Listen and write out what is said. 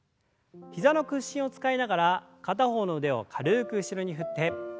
膝の屈伸を使いながら片方の腕を軽く後ろに振って。